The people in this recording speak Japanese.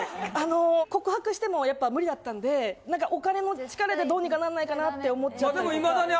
あの告白してもやっぱ無理だったんでなんかお金の力でどうにかなんないかなって思っちゃったりとか。